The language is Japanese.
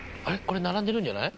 これ並んでるんじゃない？